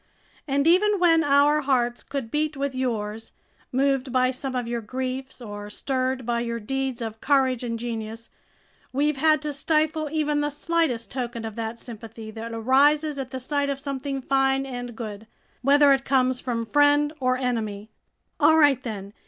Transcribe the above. And even when our hearts could beat with yours, moved by some of your griefs or stirred by your deeds of courage and genius, we've had to stifle even the slightest token of that sympathy that arises at the sight of something fine and good, whether it comes from friend or enemy. All right then!